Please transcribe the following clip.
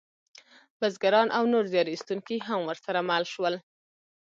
بزګران او نور زیار ایستونکي هم ورسره مل شول.